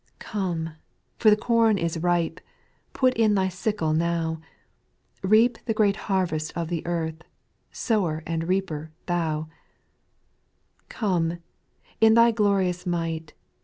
5. Come, for the corn is ripe ; Put in Thy sickle now. Reap the great harvest of the earth, Sower and reaper Thou I 6. Come, in Thy glorious might.